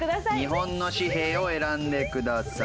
日本の紙幣を選んでください。